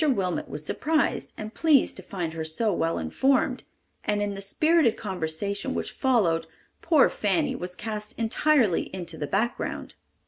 Wilmot was surprised and pleased to find her so well informed and in the spirited conversation which followed poor Fanny was cast entirely into the background.